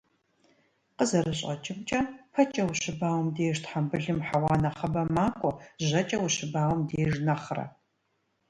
КъызэрыщӀэкӀымкӀэ, пэкӀэ ущыбауэм деж тхьэмбылым хьэуа нэхъыбэ макӀуэ, жьэкӀэ ущыбауэм деж нэхърэ.